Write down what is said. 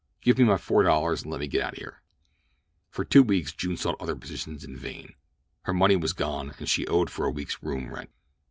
Give me my four dollars and let me get out of here!" For two weeks June sought another position in vain. Her money was gone, and she owed for a week's room rent.